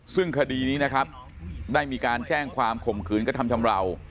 ซึ่งคดีนี้นะครับได้มีการแจ้งความข่มขืนกระทำชำราว